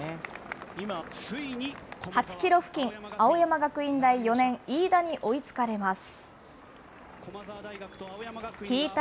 ８キロ付近、青山学院大４年、飯田に追いつかれます。